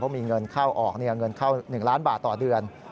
มีเงินเข้าออกเงินเข้า๑ล้านบาทต่อเดือน